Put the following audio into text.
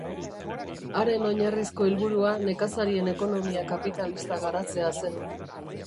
Haren oinarrizko helburua nekazarien ekonomia kapitalista garatzea zen.